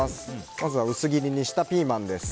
まずは薄切りにしたピーマンです。